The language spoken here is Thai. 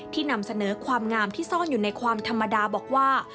นำเสนอความงามที่ซ่อนอยู่ในความธรรมดาบอกว่า